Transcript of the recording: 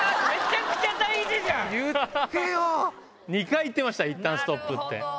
２回言ってました「いったんストップ」って。